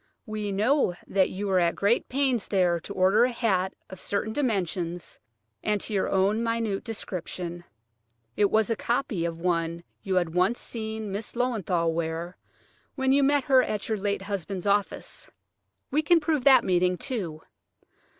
We know that you were at great pains there to order a hat of certain dimensions and to your own minute description; it was a copy of one you had once seen Miss Löwenthal wear when you met her at your late husband's office. We can prove that meeting, too.